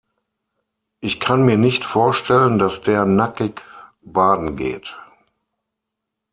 Ich kann mir nicht vorstellen, dass der nackig baden geht.